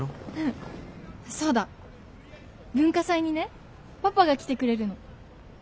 そうだ文化祭にねパパが来てくれるの。